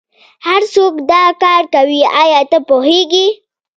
هرڅوک دا کار کوي ایا ته پوهیږې